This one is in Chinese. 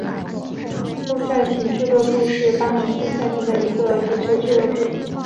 布赛廷俱乐部是巴林布赛廷的一个足球俱乐部。